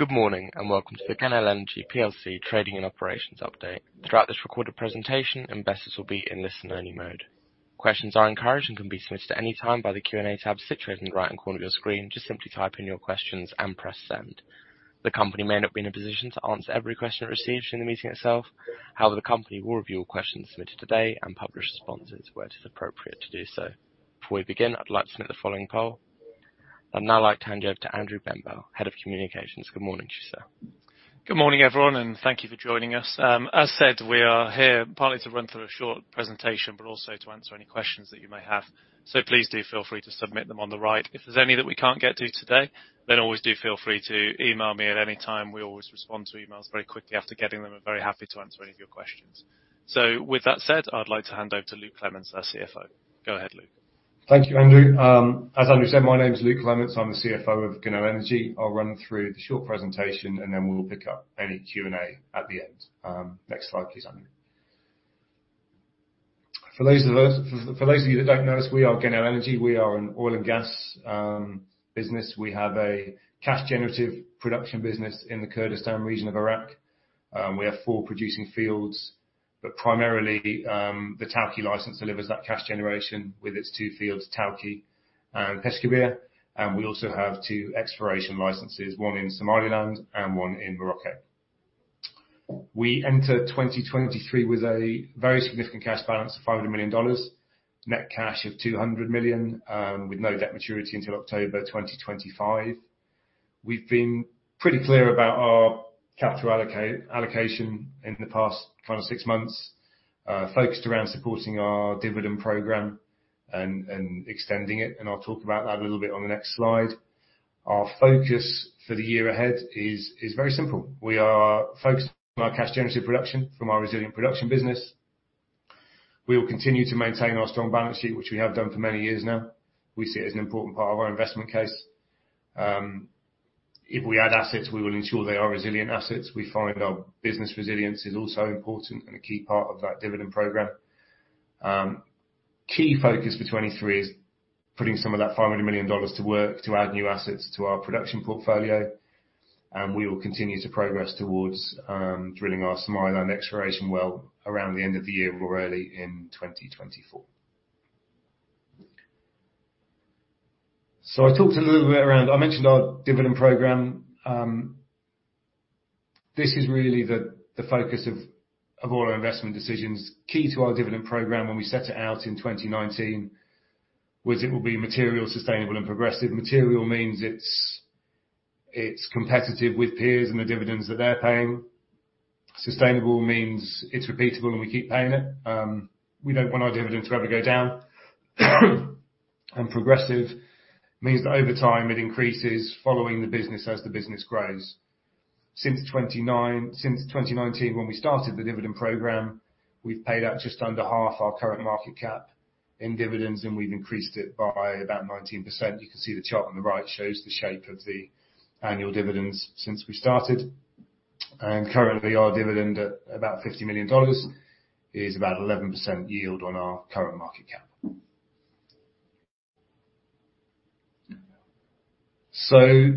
Good morning. Welcome to the Genel Energy PLC trading and operations update. Throughout this recorded presentation, investors will be in listen only mode. Questions are encouraged and can be submitted at any time by the Q&A tab situated in the right-hand corner of your screen. Just simply type in your questions and press send. The company may not be in a position to answer every question received during the meeting itself. The company will review all questions submitted today and publish responses where it is appropriate to do so. Before we begin, I'd like to submit the following poll. I'd now like to hand you over to Andrew Benbow, Head of Communications. Good morning to you, sir. Good morning, everyone, and thank you for joining us. As said, we are here partly to run through a short presentation, but also to answer any questions that you may have. Please do feel free to submit them on the right. If there's any that we can't get to today, then always do feel free to email me at any time. We always respond to emails very quickly after getting them and very happy to answer any of your questions. With that said, I'd like to hand over to Luke Clements, our CFO. Go ahead, Luke. Thank you, Andrew. As Andrew said, my name is Luke Clements. I'm the CFO of Genel Energy. I'll run through the short presentation. Then we'll pick up any Q&A at the end. Next slide, please, Andrew. For those of you that don't know us, we are Genel Energy. We are an oil and gas business. We have a cash generative production business in the Kurdistan Region of Iraq. We have four producing fields, primarily, the Tawke license delivers that cash generation with its two fields, Tawke and Peshkabir. We also have two exploration licenses, one in Somaliland and one in Morocco. We entered 2023 with a very significant cash balance of $500 million, net cash of $200 million, with no debt maturity until October 2025. We've been pretty clear about our capital allocation in the past six months, focused around supporting our dividend program and extending it. I'll talk about that a little bit on the next slide. Our focus for the year ahead is very simple. We are focused on our cash generative production from our resilient production business. We will continue to maintain our strong balance sheet, which we have done for many years now. We see it as an important part of our investment case. If we add assets, we will ensure they are resilient assets. We find our business resilience is also important and a key part of that dividend program. Key focus for 23 is putting some of that $500 million to work to add new assets to our production portfolio. We will continue to progress towards drilling our Somaliland exploration well around the end of the year or early in 2024. I mentioned our dividend program. This is really the focus of all our investment decisions. Key to our dividend program when we set it out in 2019, was it will be material, sustainable and progressive. Material means it's competitive with peers and the dividends that they're paying. Sustainable means it's repeatable. We keep paying it. We don't want our dividends to ever go down. Progressive means that over time it increases following the business as the business grows. Since 2019, when we started the dividend program, we've paid out just under half our current market cap in dividends. We've increased it by about 19%. You can see the chart on the right shows the shape of the annual dividends since we started. Currently, our dividend at about $50 million is about 11% yield on our current market cap. The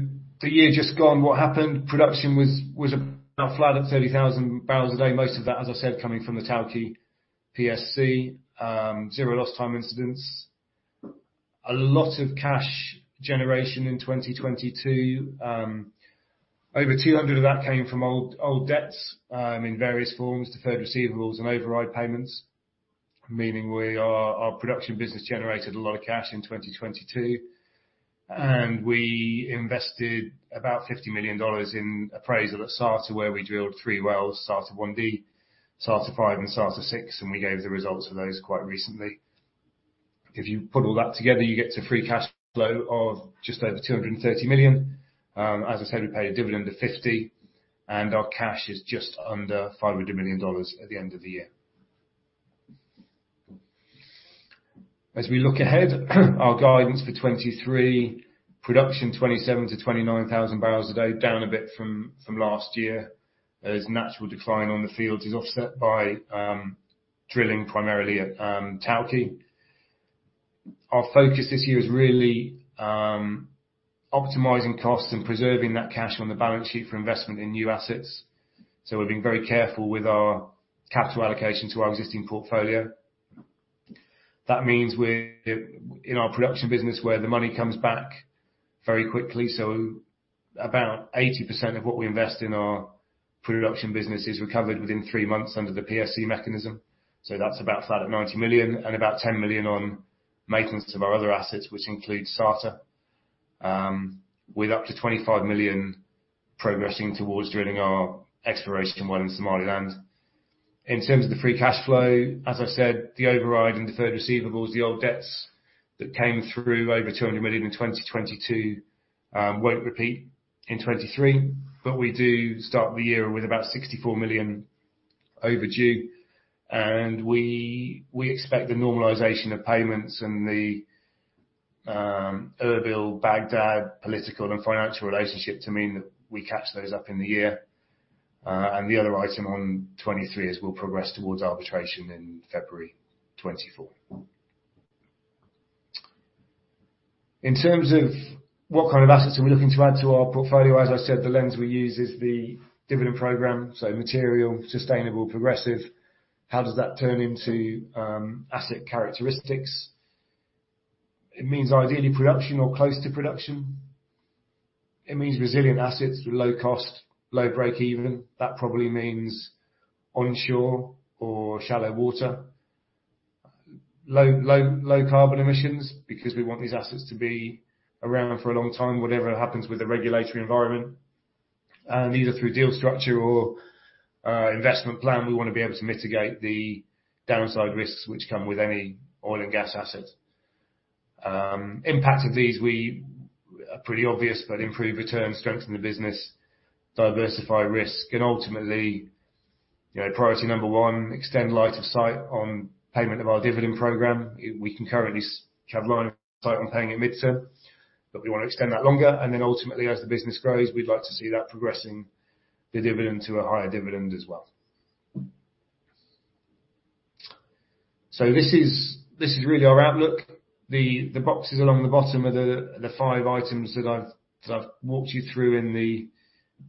year just gone, what happened? Production was about flat at 30,000 barrels a day. Most of that, as I said, coming from the Tawke PSC. Zero lost time incidents. A lot of cash generation in 2022. Over $200 million of that came from old debts in various forms, deferred receivables and override payments, meaning our production business generated a lot of cash in 2022. We invested about $50 million in appraisal at Sarta, where we drilled three wells, Sarta-1D, Sarta-5, and Sarta-6, and we gave the results for those quite recently. As I said, we put all that together, you get to free cash flow of just over $230 million. As I said, we paid a dividend of $50 million, and our cash is just under $500 million at the end of the year. As we look ahead, our guidance for 2023, production 27,000-29,000 barrels a day, down a bit from last year as natural decline on the fields is offset by drilling primarily at Tawke. Our focus this year is really optimizing costs and preserving that cash on the balance sheet for investment in new assets, so we're being very careful with our capital allocation to our existing portfolio. That means we're in our production business, where the money comes back very quickly. About 80% of what we invest in our production business is recovered within three months under the PSC mechanism. That's about flat at $90 million and about $10 million on maintenance of our other assets, which includes Sarta. With up to $25 million progressing towards drilling our exploration well in Somaliland. In terms of the free cash flow, as I said, the override and deferred receivables, the old debts that came through over $200 million in 2022, won't repeat in 2023, but we do start the year with about $64 million overdue, and we expect the normalization of payments and the Erbil-Baghdad political and financial relationship to mean that we catch those up in the year. The other item on 2023 is we'll progress towards arbitration in February 2024. In terms of what kind of assets are we looking to add to our portfolio, as I said, the lens we use is the dividend program, so material, sustainable, progressive. How does that turn into asset characteristics? It means ideally production or close to production. It means resilient assets with low cost, low break even. That probably means onshore or shallow water. Low carbon emissions because we want these assets to be around for a long time, whatever happens with the regulatory environment. Either through deal structure or investment plan, we wanna be able to mitigate the downside risks which come with any oil and gas asset. Impact of these, we are pretty obvious, improve returns, strengthen the business, diversify risk, and ultimately, you know, priority Number 1, extend line of sight on payment of our dividend program. We can currently have line of sight on paying at midterm, we wanna extend that longer. Ultimately, as the business grows, we'd like to see that progressing the dividend to a higher dividend as well. This is really our outlook. The boxes along the bottom are the five items that I've walked you through in the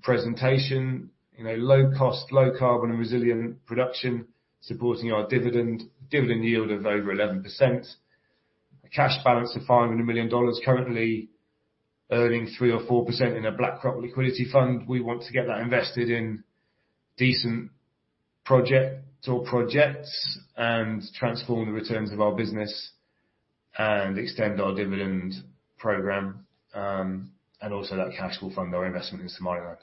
presentation. You know, low cost, low carbon and resilient production supporting our dividend yield of over 11%. A cash balance of $500 million currently earning 3% or 4% in a BlackRock liquidity fund. We want to get that invested in decent project or projects and transform the returns of our business and extend our dividend program. That cash will fund our investment in Somaliland.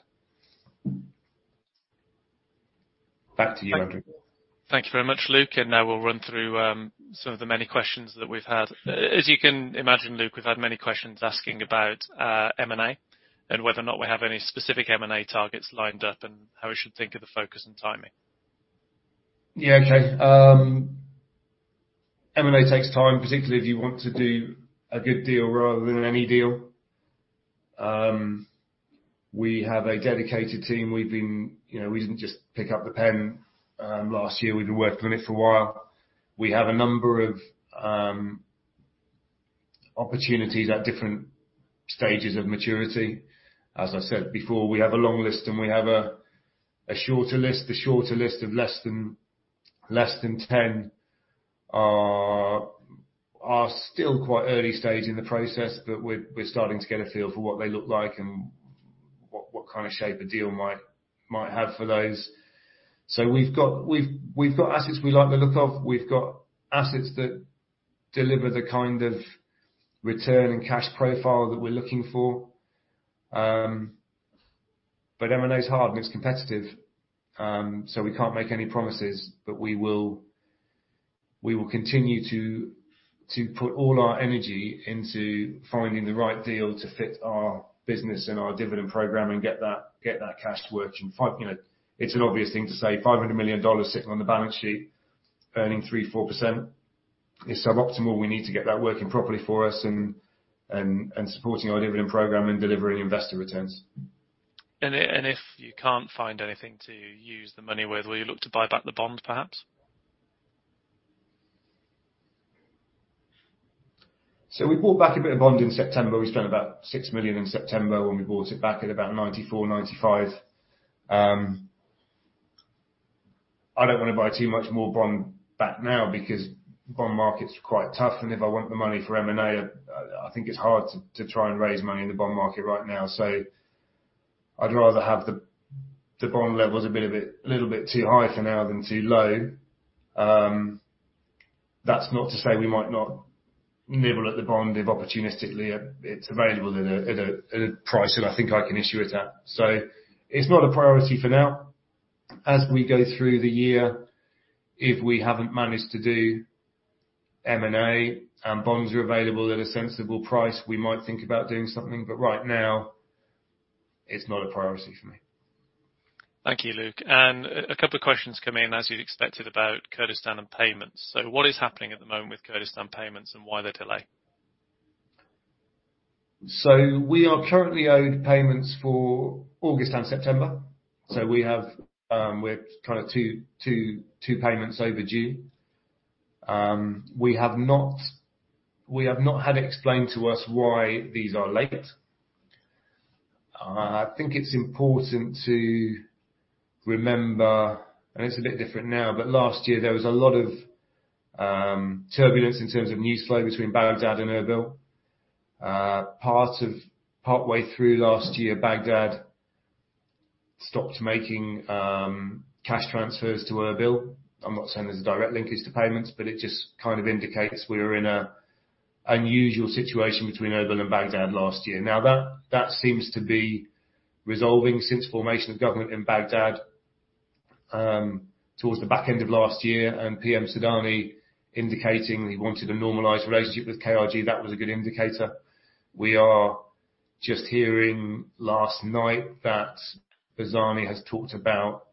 Back to you, Andrew. Thank you very much, Luke. Now we'll run through some of the many questions that we've had. As you can imagine, Luke, we've had many questions asking about M&A and whether or not we have any specific M&A targets lined up and how we should think of the focus and timing. Yeah. Okay. M&A takes time, particularly if you want to do a good deal rather than any deal. We have a dedicated team. You know, we didn't just pick up the pen last year. We've been working on it for a while. We have a number of opportunities at different stages of maturity. As I said before, we have a long list and we have a shorter list. The shorter list of less than 10 are still quite early stage in the process, but we're starting to get a feel for what they look like and what kind of shape a deal might have for those. We've got assets we like the look of. We've got assets that deliver the kind of return and cash profile that we're looking for. M&A is hard and it's competitive, so we can't make any promises. We will continue to put all our energy into finding the right deal to fit our business and our dividend program and get that cash working. You know, it's an obvious thing to say $500 million sitting on the balance sheet earning 3%-4% is suboptimal. We need to get that working properly for us and supporting our dividend program and delivering investor returns. If you can't find anything to use the money with, will you look to buy back the bond perhaps? We bought back a bit of bond in September. We spent about $6 million in September when we bought it back at about 94, 95. I don't wanna buy too much more bond back now because bond market's quite tough. If I want the money for M&A, I think it's hard to try and raise money in the bond market right now. I'd rather have the bond levels a little bit too high for now than too low. That's not to say we might not nibble at the bond if opportunistically it's available at a price that I think I can issue it at. It's not a priority for now. As we go through the year, if we haven't managed to do M&A and bonds are available at a sensible price, we might think about doing something. Right now, it's not a priority for me. Thank you, Luke. A couple of questions come in as you'd expected about Kurdistan and payments. What is happening at the moment with Kurdistan payments and why the delay? We are currently owed payments for August and September. We have, we're kind of two payments overdue. We have not had it explained to us why these are late. I think it's important to remember, and it's a bit different now, but last year there was a lot of turbulence in terms of news flow between Baghdad and Erbil. Partway through last year, Baghdad stopped making cash transfers to Erbil. I'm not saying there's a direct linkage to payments, but it just kind of indicates we were in a unusual situation between Erbil and Baghdad last year. That seems to be resolving since formation of government in Baghdad towards the back end of last year, and PM Sudani indicating that he wanted a normalized relationship with KRG. That was a good indicator. We are just hearing last night that Barzani has talked about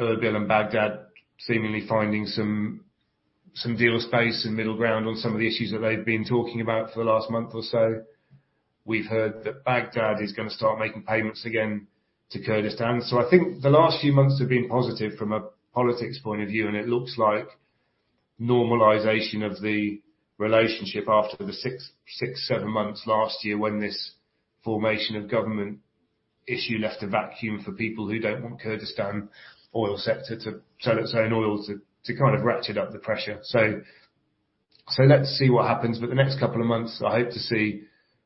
Erbil and Baghdad seemingly finding some deal space and middle ground on some of the issues that they've been talking about for the last month or so. We've heard that Baghdad is gonna start making payments again to Kurdistan. I think the last few months have been positive from a politics point of view, and it looks like normalization of the relationship after the six, seven months last year when this formation of government issue left a vacuum for people who don't want Kurdistan oil sector to sell its own oil to kind of ratchet up the pressure. Let's see what happens. The next couple of months, I hope to see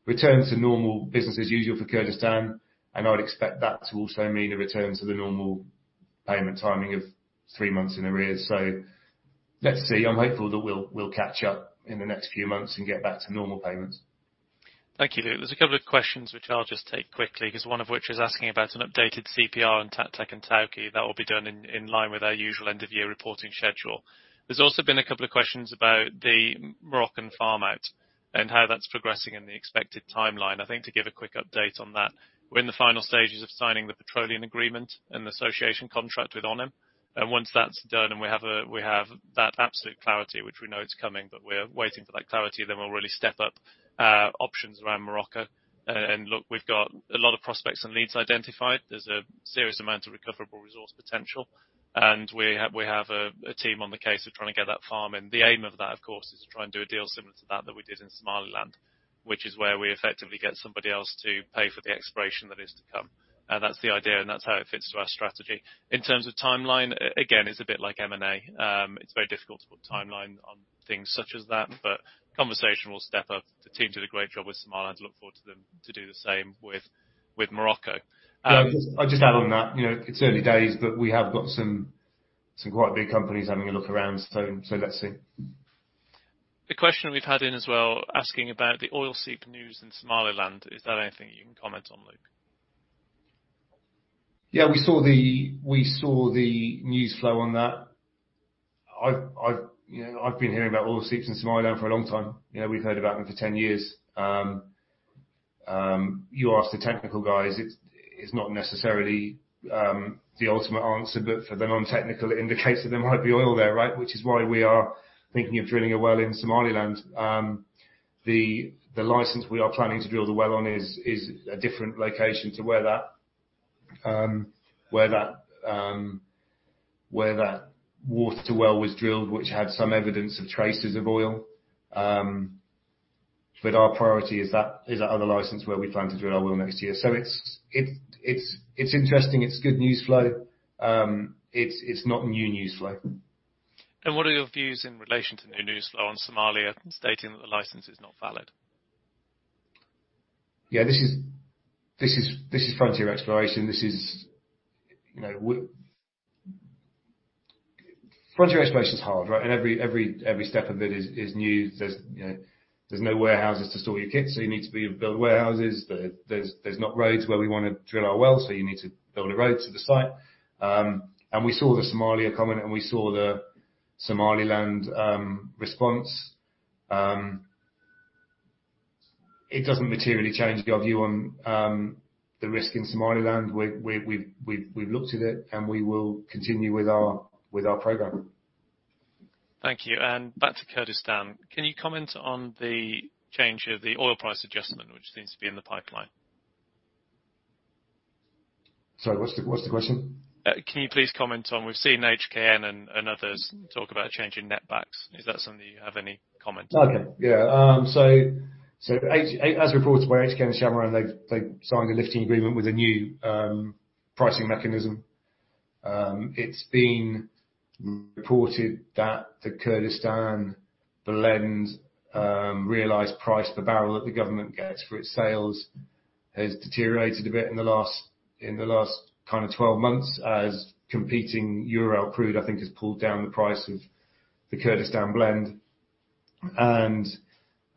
return to normal business as usual for Kurdistan, and I'd expect that to also mean a return to the normal payment timing of three months in arrears. Let's see. I'm hopeful that we'll catch up in the next few months and get back to normal payments. Thank you, Luke. There's a couple of questions which I'll just take quickly 'cause one of which is asking about an updated CPR on Taq Taq and Tawke that will be done in line with our usual end of year reporting schedule. There's also been a couple of questions about the Moroccan farm out and how that's progressing in the expected timeline. I think to give a quick update on that, we're in the final stages of signing the petroleum agreement and the association contract with ONHYM. Once that's done, and we have that absolute clarity, which we know it's coming, but we're waiting for that clarity, then we'll really step up options around Morocco. Look, we've got a lot of prospects and leads identified. There's a serious amount of recoverable resource potential, we have a team on the case of trying to get that farm. The aim of that, of course, is to try and do a deal similar to that we did in Somaliland, which is where we effectively get somebody else to pay for the exploration that is to come. That's the idea, and that's how it fits to our strategy. In terms of timeline, again, it's a bit like M&A. It's very difficult to put timeline on things such as that, conversation will step up. The team did a great job with Somaliland, look forward to them to do the same with Morocco. Yeah, I'll just add on that. You know, it's early days, but we have got some quite big companies having a look around, so let's see. The question we've had in as well asking about the oil seep news in Somaliland, is there anything you can comment on, Luke? Yeah. We saw the news flow on that. I've, you know, I've been hearing about oil seeps in Somaliland for a long time. You know, we've heard about them for 10 years. you ask the technical guys, it's not necessarily the ultimate answer, but for the non-technical, it indicates that there might be oil there, right? Which is why we are thinking of drilling a well in Somaliland. the license we are planning to drill the well on is a different location to where that where that where that water well was drilled which had some evidence of traces of oil. but our priority is that other license where we plan to drill our well next year. it's interesting. It's good news flow. it's not new news flow. What are your views in relation to new news flow on Somalia stating that the license is not valid? This is frontier exploration. This is. You know, Frontier exploration is hard, right? Every step of it is new. There's, you know, no warehouses to store your kits, so you need to be able to build warehouses. There's not roads where we wanna drill our wells, so you need to build a road to the site. We saw the Somalia comment, and we saw the Somaliland response. It doesn't materially change our view on the risk in Somaliland. We've looked at it, and we will continue with our program. Thank you. Back to Kurdistan. Can you comment on the change of the oil price adjustment, which seems to be in the pipeline? Sorry, what's the question? We've seen HKN and others talk about a change in Netbacks. Is that something you have any comment on? Okay. Yeah. As reported by HKN and ShaMaran, they've signed a lifting agreement with a new pricing mechanism. It's been reported that the Kurdistan blend realized price per barrel that the government gets for its sales has deteriorated a bit in the last kind of 12 months as competing Urals crude, I think, has pulled down the price of the Kurdistan blend.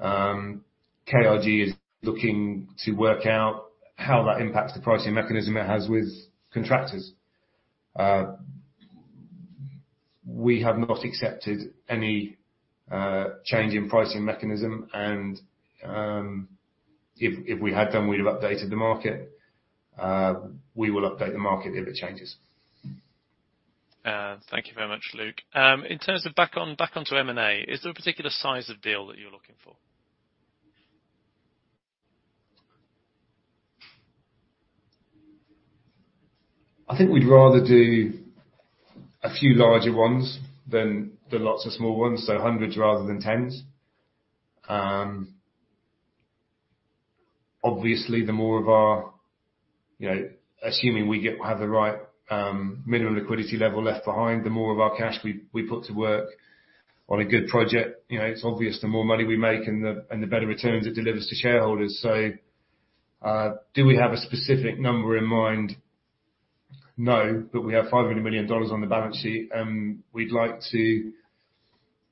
KRG is looking to work out how that impacts the pricing mechanism it has with contractors. We have not accepted any change in pricing mechanism. If we had done, we'd have updated the market. We will update the market if it changes. Thank you very much, Luke. In terms of back onto M&A, is there a particular size of deal that you're looking for? I think we'd rather do a few larger ones than the lots of small ones, so hundreds rather than tens. Obviously, the more of our. You know, assuming we have the right minimum liquidity level left behind, the more of our cash we put to work on a good project. You know, it's obvious the more money we make and the better returns it delivers to shareholders. Do we have a specific number in mind? No, but we have $500 million on the balance sheet, and we'd like to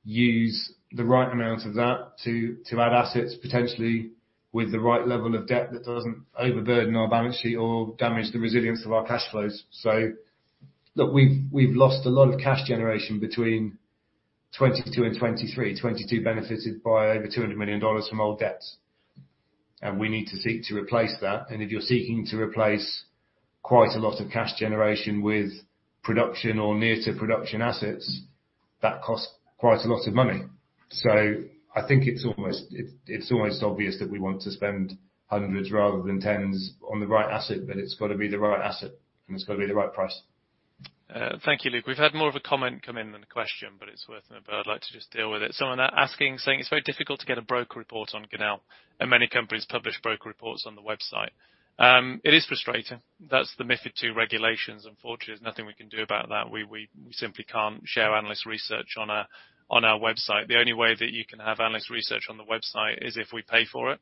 use the right amount of that to add assets potentially with the right level of debt that doesn't overburden our balance sheet or damage the resilience of our cash flows. Look, we've lost a lot of cash generation between 2022 and 2023. 2022 benefited by over $200 million from old debts. We need to seek to replace that. If you're seeking to replace quite a lot of cash generation with production or near to production assets, that costs quite a lot of money. I think it's almost, it's almost obvious that we want to spend hundreds rather than tens on the right asset, but it's gotta be the right asset, and it's gotta be the right price. Thank you, Luke. We've had more of a comment come in than a question, but it's worth it, but I'd like to just deal with it. Someone asking, saying, "It's very difficult to get a broker report on Genel, and many companies publish broker reports on the website." It is frustrating. That's the MiFID II regulations. Unfortunately, there's nothing we can do about that. We simply can't share analyst research on our website. The only way that you can have analyst research on the website is if we pay for it.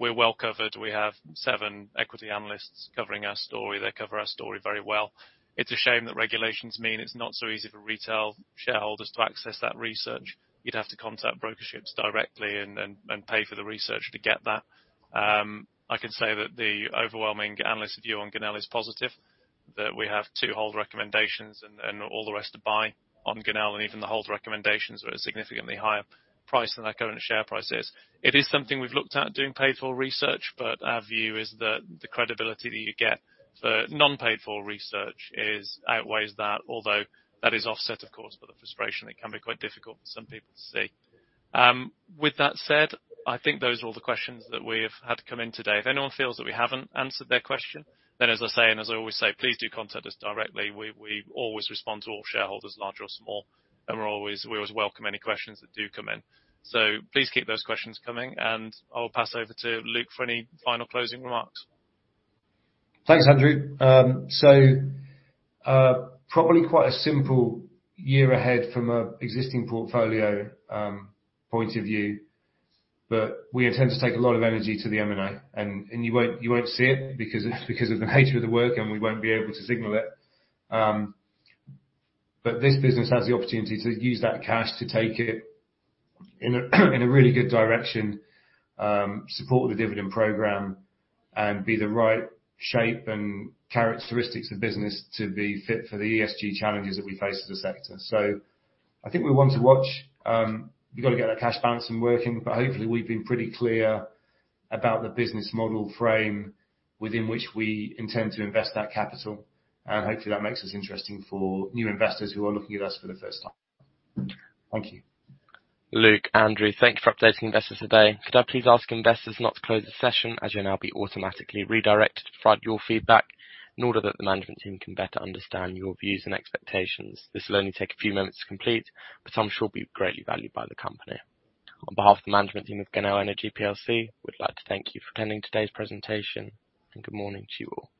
We're well covered. We have seven equity analysts covering our story. They cover our story very well. It's a shame that regulations mean it's not so easy for retail shareholders to access that research. You'd have to contact brokerages directly and pay for the research to get that. I can say that the overwhelming analyst view on Genel is positive, that we have two hold recommendations and all the rest to buy on Genel, even the hold recommendations are a significantly higher price than our current share price is. It is something we've looked at, doing paid-for research, our view is that the credibility that you get for non-paid-for research outweighs that although that is offset, of course, by the frustration. It can be quite difficult for some people to see. With that said, I think those are all the questions that we've had come in today. If anyone feels that we haven't answered their question, as I say, and as I always say, please do contact us directly. We always respond to all shareholders, large or small, and we always welcome any questions that do come in. Please keep those questions coming, and I will pass over to Luke for any final closing remarks. Thanks, Andrew. Probably quite a simple year ahead from an existing portfolio point of view, but we intend to take a lot of energy to the M&A, and you won't see it because of the nature of the work, and we won't be able to signal it. This business has the opportunity to use that cash to take it in a really good direction, support the dividend program and be the right shape and characteristics of the business to be fit for the ESG challenges that we face as a sector. I think we're one to watch. We've gotta get that cash balance and working, hopefully, we've been pretty clear about the business model frame within which we intend to invest that capital. Hopefully, that makes us interesting for new investors who are looking at us for the first time. Thank you. Luke, Andrew, thank you for updating investors today. Could I please ask investors not to close the session, as you'll now be automatically redirected to provide your feedback in order that the management team can better understand your views and expectations. This will only take a few moments to complete, but I'm sure it will be greatly valued by the company. On behalf of the management team of Genel Energy PLC, we'd like to thank you for attending today's presentation, and good morning to you all.